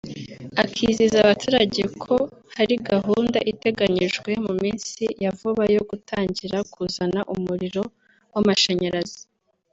akizeza abaturage ko hari gahunda iteganyijwe mu minsi ya vuba yo gutangira kuzana umuriro w’amashanyarazi